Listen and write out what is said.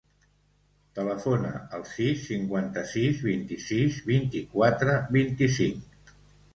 Telefona al sis, cinquanta-sis, vint-i-sis, vint-i-quatre, vint-i-cinc.